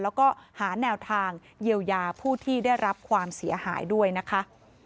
แล้วก็หาแนวทางเยียวยาผู้ที่ได้รับความเสียหายด้วยนะคะ